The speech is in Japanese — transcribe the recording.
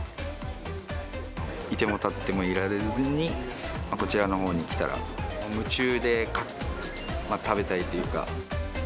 いても立ってもいられずにこちらのほうに来たら、夢中で食べたいっていうか。